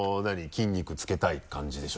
筋肉つけたい感じでしょ？